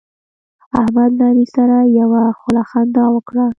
احمد له علي سره یوه خوله خندا وکړه.